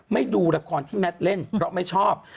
ดูละครที่แมทเล่นเพราะไม่ชอบ